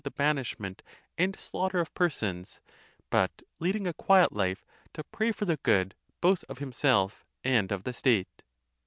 the banishment and slaughter of persons; but leading a quiet life, to pray for the good both of himself and of the state.